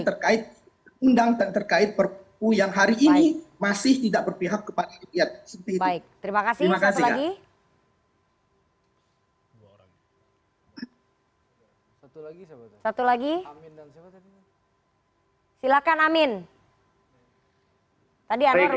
terkait undang dan terkait perpu yang hari ini diperoleh kepada rakyat